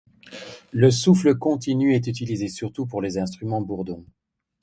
Le souffle continu est utilisé surtout pour les instruments bourdons.